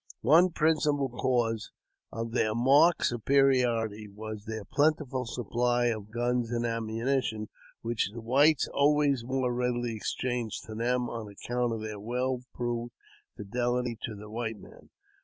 One principal cause of their marked superiority was their plentiful supply of guns and ammunition, which the whites always more readily exchanged to them on accoant of their well proved fidehty to the white man.